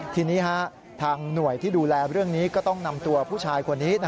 ทีนี้ทางหน่วยที่ดูแลเรื่องนี้ก็ต้องนำตัวผู้ชายคนนี้